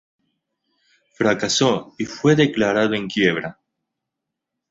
Fracasó y fue declarado en quiebra.